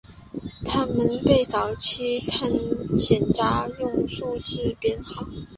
他们被早期的探险家用数字编号。